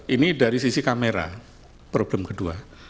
ini dari sisi kamera problem kedua